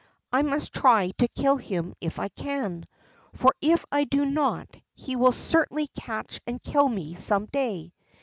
I must try to kill him if I can, for if I do not he will certainly catch and kill me some day."